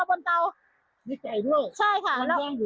มีไก่ด้วยมันย่างอยู่ไหม